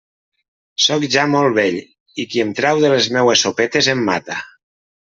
Sóc ja molt vell, i qui em trau de les meues sopetes em mata.